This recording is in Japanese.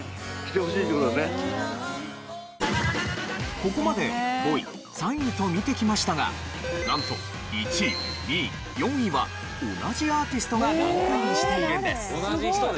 ここまで５位３位と見てきましたがなんと１位２位４位は同じアーティストがランクインしているんです。